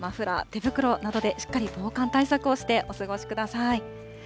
マフラー、手袋などでしっかり防寒対策をしてお過ごしください。